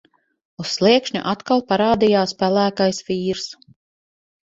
Uz sliekšņa atkal parādījās pelēkais vīrs.